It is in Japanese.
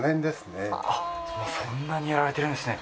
そんなにやられてるんですね。